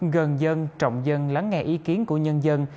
gần dân trọng dân lắng nghe ý kiến của nhân dân